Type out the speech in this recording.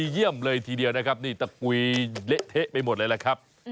เยี่ยมเลยทีเดียวนะครับนี่ตะกุยเละเทะไปหมดเลยแหละครับ